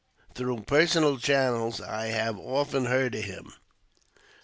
Through personal channels I had often heard of him.